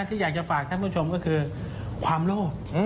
ที่อยากจะฝากท่านผู้ชมก็คือความโลภ